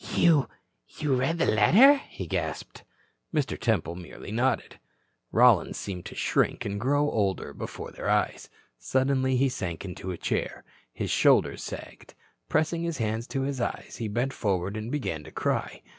"You, you read the letter?" he gasped. Mr. Temple merely nodded. Rollins seemed to shrink and grow older before their eyes. Suddenly he sank into a chair. His shoulders sagged. Pressing his hands to his eyes, he bent forward and began to cry.